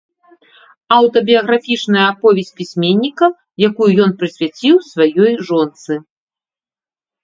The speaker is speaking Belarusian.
Аўтабіяграфічная аповесць пісьменніка, якую ён прысвяціў сваёй жонцы.